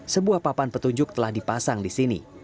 sebuah papan petunjuk telah dipasang di sini